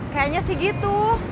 kayaknya sih gitu